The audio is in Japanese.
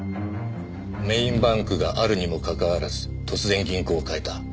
メーンバンクがあるにもかかわらず突然銀行を変えた。